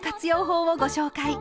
法をご紹介。